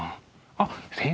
あっ先生。